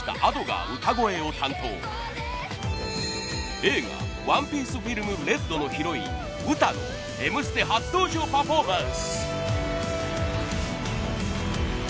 映画『ＯＮＥＰＩＥＣＥＦＩＬＭＲＥＤ』のヒロインウタの『Ｍステ』初登場パフォーマンス。